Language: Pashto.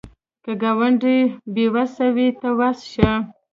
که ګاونډی بې وسه وي، ته وس شه